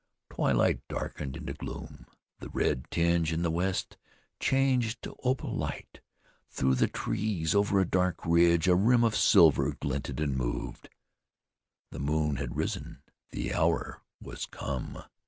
Twilight darkened into gloom; the red tinge in the west changed to opal light; through the trees over a dark ridge a rim of silver glinted and moved. The moon had risen; the hour was come.